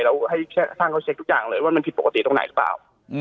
แล้วให้ช่างเขาเช็คทุกอย่างเลยว่ามันผิดปกติตรงไหนหรือเปล่า